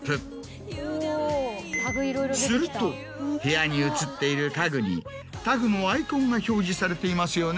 すると部屋に写っている家具にタグのアイコンが表示されていますよね？